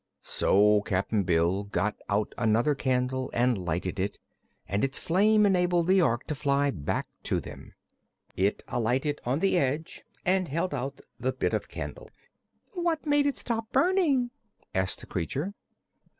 So Cap'n Bill got out another candle and lighted it, and its flame enabled the Ork to fly back to them. It alighted on the edge and held out the bit of candle. "What made it stop burning?" asked the creature.